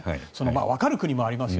わかる国もありますよ。